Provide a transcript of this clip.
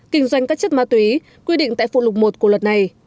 kinh doanh các chất ma túy quy định tại phụ lục một của luật này